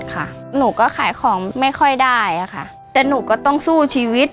หนูก็ขายของไม่ค่อยได้ค่ะแต่หนูก็ต้องสู้ชีวิต